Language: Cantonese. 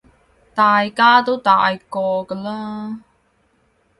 大家都大個㗎喇